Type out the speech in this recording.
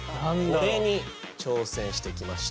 これに挑戦してきました。